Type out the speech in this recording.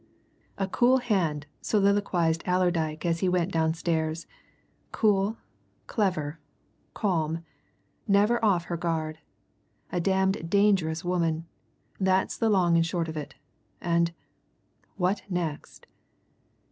"A cool hand!" soliloquized Allerdyke as he went downstairs. "Cool, clever, calm, never off her guard. A damned dangerous woman! that's the long and short of it. And what next?"